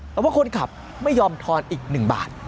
แต่ว่าคนขับไม่ยอมทอนอีก๑บาท